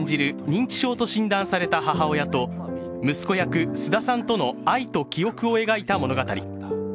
認知症と診断された母親と息子役・菅田さんとの愛と記憶を描いた物語。